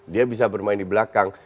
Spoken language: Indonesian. dia bisa bermain di belakang